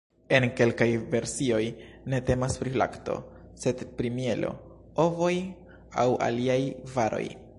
En kelkaj versioj ne temas pri lakto, sed pri mielo, ovoj aŭ aliaj varoj.